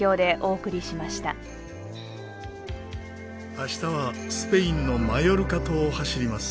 明日はスペインのマヨルカ島を走ります。